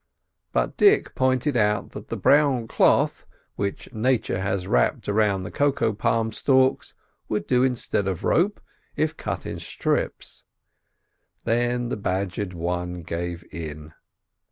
But Dick pointed out that the brown cloth which Nature has wrapped round the cocoa palm stalks would do instead of rope if cut in strips. Then the badgered one gave in.